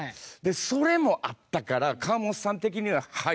それもあったから河本さん的には。